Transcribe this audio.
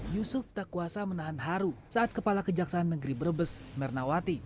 yusuf tak kuasa menahan haru saat kepala kejaksaan negeri brebes mernawati